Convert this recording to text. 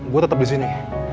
gua tetep disini